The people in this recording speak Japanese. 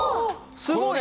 すごい。